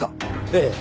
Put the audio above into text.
ええ。